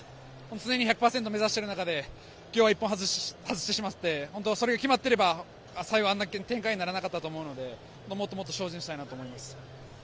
常に１００％を目指している中で、きょうは１本外してしまって、それが決まっていれば、最後あんな展開にならなかったと思うので、もっともっと精進したいなと思います。